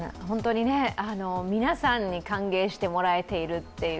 皆さんに歓迎してもらえているという。